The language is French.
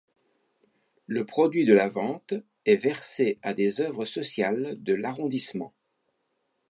Le produit de la vente est versé à des œuvres sociales de l'arrondissement.